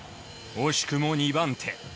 惜しくも２番手。